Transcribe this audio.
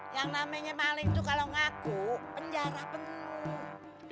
yang namanya maling itu kalau ngaku penjara penuh